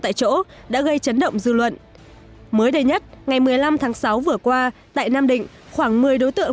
tại chỗ đã gây chấn động dư luận mới đây nhất ngày một mươi năm tháng sáu vừa qua tại nam định khoảng một mươi đối tượng